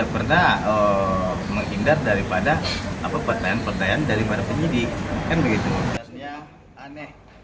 egy sujana mengatakan bahwa egy tidak akan melarikan diri dari ruangan penyidik